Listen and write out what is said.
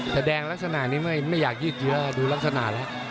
แสดงลักษณะนี้ไม่อยากยืดเยอะดูลักษณะแล้ว